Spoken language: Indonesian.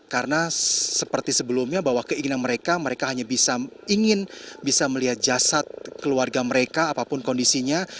karena seperti sebelumnya bahwa keinginan mereka mereka hanya ingin bisa melihat jasad keluarga mereka apapun kondisinya